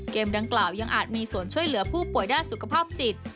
ดังกล่าวยังอาจมีส่วนช่วยเหลือผู้ป่วยด้านสุขภาพจิต